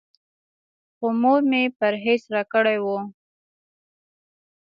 خو مور مې پرهېز راکړی و.